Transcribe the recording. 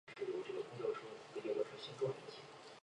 强森被视为史上最伟大的摔角选手之一。